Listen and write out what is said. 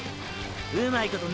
うまいことノ